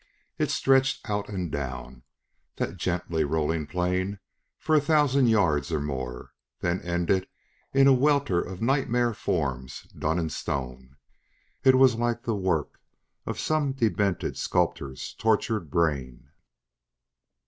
It stretched out and down, that gently rolling plain, for a thousand yards or more, then ended in a welter of nightmare forms done in stone. It was like the work of some demented sculptor's tortured brain.